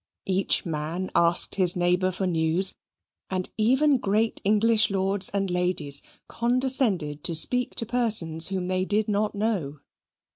Each man asked his neighbour for news; and even great English lords and ladies condescended to speak to persons whom they did not know.